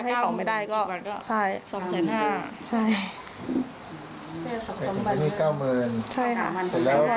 ให้ของไม่ได้ก็ใช่สองแสนห้าใช่เป็นหนี้เก้าเมือนใช่แล้ว